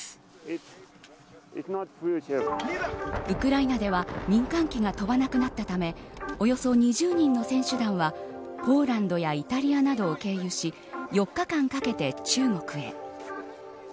ウクライナでは民間機が飛ばなくなったためおよそ２０人の選手団はポーランドやイタリアなどを経由し４日間かけて中国へ。